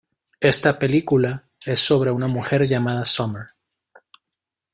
Esta película es sobre una mujer llamada Summer.